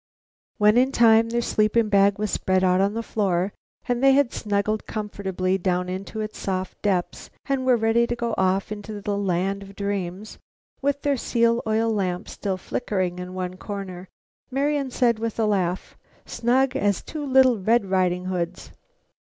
When, in time, their sleeping bag was spread out on the floor, and they had snuggled comfortably down into its soft depths and were ready to go off into the land of dreams, with their seal oil lamp still flickering in one corner, Marian said with a laugh: "Snug as two little Red Riding Hoods."